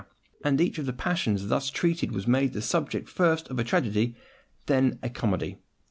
and each of the passions thus treated was made the subject first of a tragedy, then of a comedy.